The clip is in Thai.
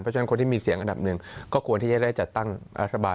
เพราะฉะนั้นคนที่มีเสียงอันดับหนึ่งก็ควรที่จะได้จัดตั้งรัฐบาล